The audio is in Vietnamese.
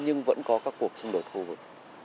nhưng vẫn có các cuộc xung đột khu vực